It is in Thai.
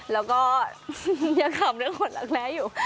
แล้วก็ยังขำเรื่องคนรักแร้อยู่